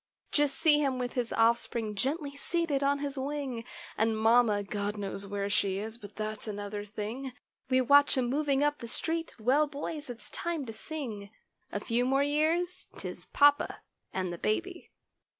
Just see him with his offspring, gently seated on his "wing" And mamma—God knows where she is—but that's another thing— We watch him moving up the street—well, boys, it's time to sing— A few more years—'tis papa and the baby.